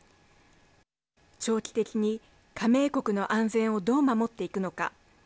長期的に加盟国の安全をどう守っていくのか。